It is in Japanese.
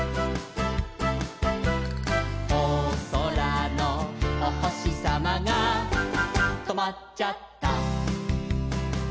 「おそらのおほしさまがとまっちゃった」